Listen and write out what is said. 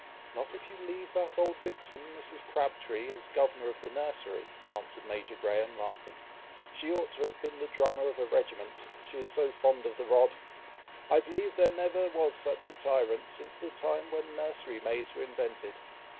"Not if you leave that old vixen, Mrs. Crabtree, as governor of the nursery," answered Major Graham, laughing. "She ought to have been the drummer of a regiment, she is so fond of the rod! I believe there never was such a tyrant since the time when nursery maids were invented.